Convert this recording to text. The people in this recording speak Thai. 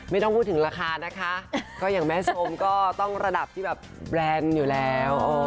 ไม่ต้องพูดถึงราคานะคะก็อย่างแม่ชมก็ต้องระดับที่แบบแบรนด์อยู่แล้ว